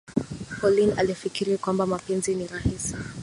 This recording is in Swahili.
Pauline alifikiri kwamba mapenzi ni rahisi